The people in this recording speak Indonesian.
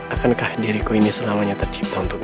akankah diriku ini selamanya tercipta untukmu